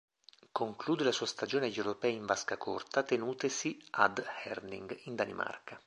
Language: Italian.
Conclude la sua stagione agli Europei in vasca corta tenutesi ad Herning in Danimarca.